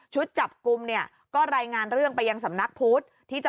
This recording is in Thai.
ชุดจับกุมก็รายงานเรื่องไปยังสำนักพุธ